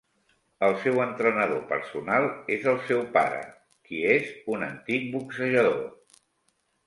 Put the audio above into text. El seu entrenador personal és el seu pare, qui és un antic boxejador.